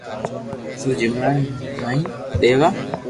صرف جملا ٺائين ديوا